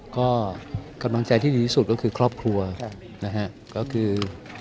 ก็กำลังใจที่ดีที่สุดก็คือครอบครัวนะฮะก็คือ